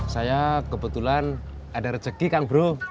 saya kebetulan ada rezeki kang bro